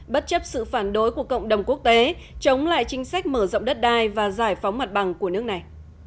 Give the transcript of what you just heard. bất chấp sự phản đối của cộng đồng quốc tế chống lại chính sách mở rộng đất đai và giải phóng mặt bằng của nước này